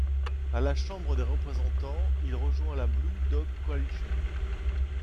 À la Chambre des représentants, il rejoint la Blue Dog Coalition.